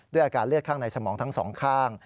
อาการเลือดข้างในสมองทั้งสองข้าง